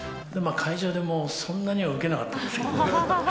会場でもそんなには受けなかったですけどね。